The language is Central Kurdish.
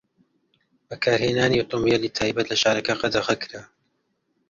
بەکارهێنانی ئۆتۆمبێلی تایبەت لە شارەکە قەدەغە کرا.